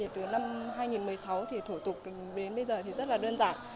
từ năm hai nghìn một mươi sáu thủ tục đến bây giờ rất đơn giản